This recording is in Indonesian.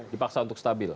dipaksa untuk stabil